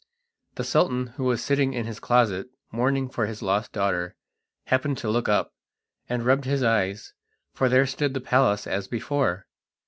The Sultan, who was sitting in his closet, mourning for his lost daughter, happened to look up, and rubbed his eyes, for there stood the palace as before!